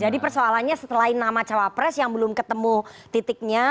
jadi persoalannya setelah nama capres yang belum ketemu titiknya